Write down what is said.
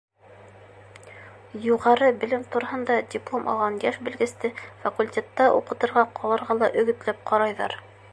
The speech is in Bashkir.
Юғары белем тураһында диплом алған йәш белгесте факультетта уҡытырға ҡалырға ла өгөтләп ҡарайҙар.